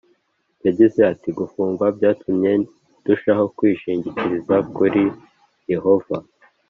Yagize ati gufungwa byatumye ndushaho kwishingikiriza kuri Yehova